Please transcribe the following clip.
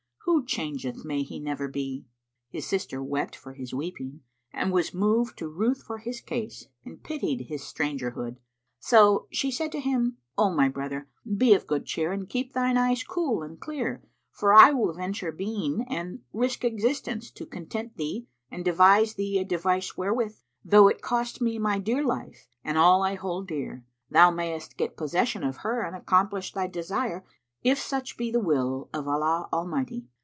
Who changeth may he never be!" His sister wept for his weeping and was moved to ruth for his case and pitied his strangerhood; so she said to him, "O my brother, be of good cheer and keep thine eyes cool and clear, for I will venture being and risk existence to content thee and devise thee a device wherewith, though it cost me my dear life and all I hold dear, thou mayst get possession of her and accomplish thy desire, if such be the will of Allah Almighty.